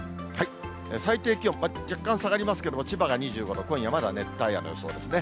最低気温、若干下がりますけれども、千葉が２５度、今夜まだ熱帯夜の予想ですね。